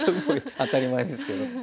当たり前ですけど。